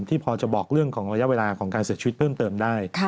พอจะบอกเรื่องของระยะเวลาของการเสียชีวิตเพิ่มเติมได้